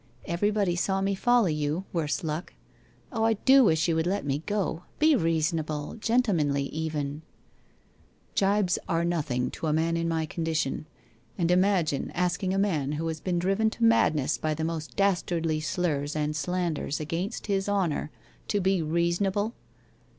Everybody saw me follow you, worse luck! Oh, I do wish you would let me go ! Be reasonable ! Gentle manly, even !'' Gibes are nothing to a man in my condition. And imagine asking a man who has been driven to madness by the most dastardly slurs and slanders against his hon our to be reasonble